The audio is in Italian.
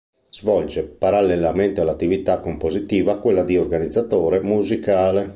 Svolge parallelamente all'attività compositiva quella di organizzatore musicale.